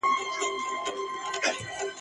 د کمزوري هم مرګ حق دی او هم پړ سي ..